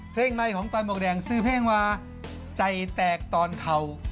เพลงในของตอนหมวกแดงซื้อเพลงมาใจแตกตอนเข่า